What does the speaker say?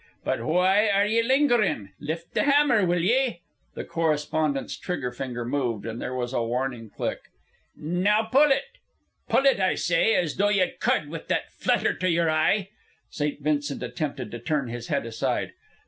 But why are ye lingerin'? Lift the hammer, will ye?" The correspondent's trigger finger moved and there was a warning click. "Now pull it. Pull it, I say. As though ye cud, with that flutter to yer eye." St. Vincent attempted to turn his head aside.